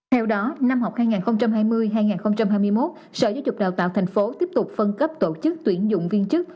theo đó năm học hai nghìn hai mươi hai nghìn hai mươi một sở giáo dục đào tạo tp hcm tiếp tục phân cấp tổ chức tuyển dụng viên chức